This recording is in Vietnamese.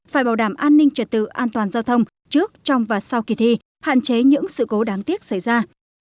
phải bảo đảm an ninh trật tự an toàn giao thông trước trong và sau kỳ thi hạn chế những sự cố đáng tiếc xảy ra